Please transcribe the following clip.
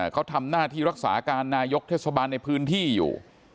เขาทำหน้าที่รักษาการนายกเทศบาลในพื้นที่อยู่